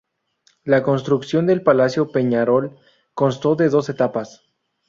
La construcción del Palacio Peñarol constó de dos etapas.